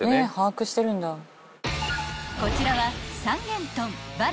［こちらは］